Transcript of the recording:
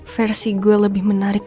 versi gue lebih menariknya